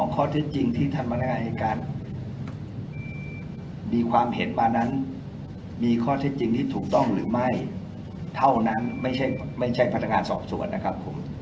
ข้อเท็จจริงที่ท่านพนักงานอายการมีความเห็นมานั้นมีข้อเท็จจริงที่ถูกต้องหรือไม่เท่านั้นไม่ใช่พนักงานสอบสวนนะครับผม